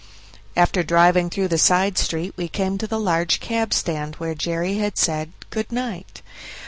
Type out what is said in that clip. After driving through the side street we came to the large cab stand where Jerry had said "Good night".